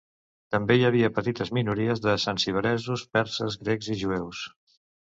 També hi havia petites minories de zanzibaresos, perses, grecs i jueus.